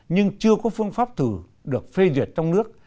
nhưng chưa có phương pháp thử được phê duyệt trong nước